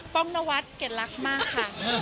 ้องนวัดเกดรักมากค่ะ